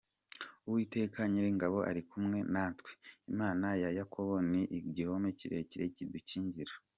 Uwiteka Nyiringabo ari kumwe natwe, Imana ya Yakobo ni igihome kirekire kidukingira.